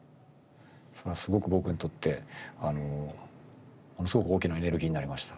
それはすごく僕にとってものすごく大きなエネルギーになりました。